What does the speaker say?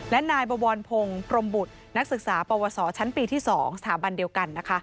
และนายบวรพงศ์พรมบุตรนักศึกษาปวสชั้นปีที่๒สถาบันเดียวกันนะคะ